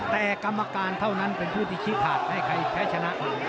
แต่กรรมการเท่านั้นเป็นผู้ที่คิดขาดให้ใครแพ้ชนะ